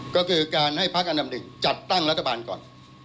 ก็คือการให้พักอันดับหนึ่งจัดตั้งรัฐบาลก่อน